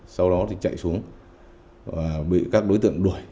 sau đó thì chạy xuống và bị các đối tượng đuổi